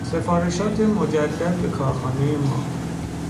سفارشات مجدد به کارخانهی ما